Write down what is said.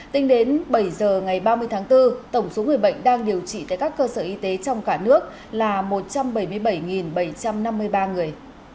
tính đến bảy giờ ngày ba mươi tháng bốn tổng số người bệnh đang điều trị tại các cơ sở y tế trong cả nước là một trăm bảy mươi bảy bảy trăm năm mươi ba người